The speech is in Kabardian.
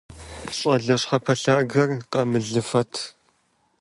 ЩӀалэ щхьэпэлъагэр къамылыфэт.